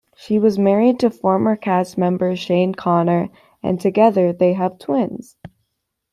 She was married to former cast member Shane Connor and together they have twins.